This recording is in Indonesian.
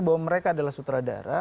bahwa mereka adalah sutradara